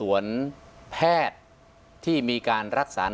อันดับที่สุดท้าย